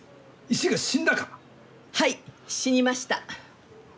はい死にました。